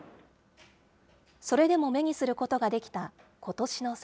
それでも目にすることができたことしの桜。